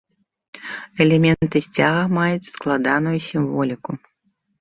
Элементы сцяга маюць складаную сімволіку.